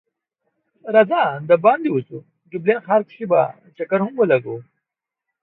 راځه د باندی وځو ډبلین ښار کی به چکر هم ولګو